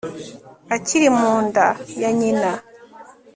akiri mu nda ya nyina